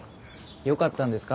よかったんですか？